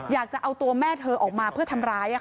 อยากจะเอาตัวแม่เธอออกมาเพื่อทำร้าย